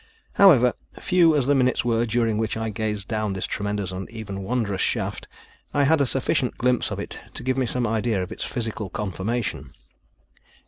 However, few as the minutes were during which I gazed down this tremendous and even wondrous shaft, I had a sufficient glimpse of it to give me some idea of its physical conformation.